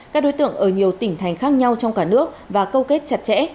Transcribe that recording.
các đối tượng ở nhiều tỉnh thành khác nhau trong cả nước và câu kết chặt chẽ